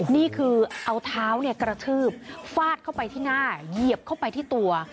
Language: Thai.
นี่คือเอาเท้ากระทืบฟาดเข้าไปที่หน้าเหยียบเข้าไปที่ตัว